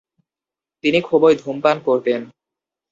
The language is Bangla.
তিনি খুবই ধূমপান করতেন।